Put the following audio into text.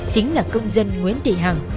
chính là công dân nguyễn thị hằng